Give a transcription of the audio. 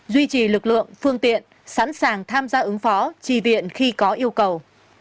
duy trì lực lượng phương tiện sẵn sàng tham gia ứng phó trì viện khi có yêu cầu